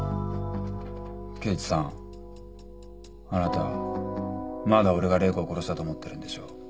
刑事さんあなたまだ俺が礼子を殺したと思ってるんでしょ？